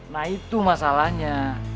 nah itu masalahnya